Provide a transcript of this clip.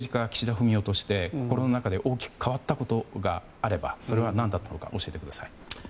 今回のことで政治家・岸田文雄として心の中で大きく変わったことがあればそれは何だったのか教えてください。